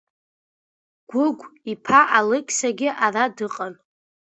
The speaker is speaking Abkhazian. Гәыгә-иԥа Алықьсагьы ара дыҟан.